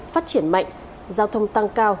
phát triển mạnh giao thông tăng cao